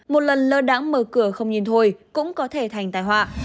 một lần lơ đẳng mở cửa không nhìn thôi cũng có thể thành tài hoạ